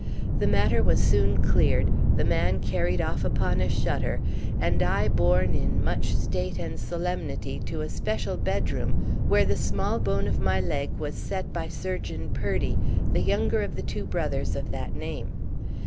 The matter was soon cleared: the man carried off upon a shutter, and I borne in much state and solemnity to a special bedroom, where the small bone of my leg was set by Surgeon Purdie, the younger of the two brothers of that name.